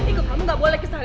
ikut kamu gak boleh kesana